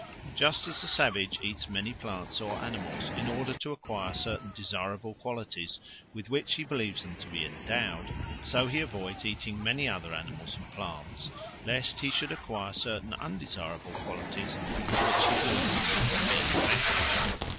Just as the savage eats many animals or plants in order to acquire certain desirable qualities with which he believes them to be endowed, so he avoids eating many other animals and plants lest he should acquire certain undesirable qualities with which he believes them to be infected.